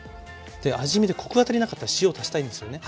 で味見でコクが足りなかったら塩足したいんですよね。